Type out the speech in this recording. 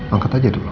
angkat aja dulu